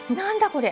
これ。